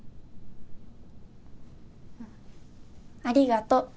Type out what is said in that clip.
ありがと。